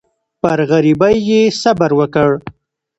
پر غریبۍ یې صبر وکړ.